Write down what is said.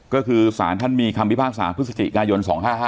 ก็คือสารท่านมีคำพิพากษาพฤศจิกายน๒๕๕